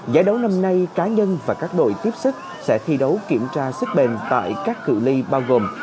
giải đấu năm nay cá nhân và các đội tiếp sức sẽ thi đấu kiểm tra sức bền tại các cự li bao gồm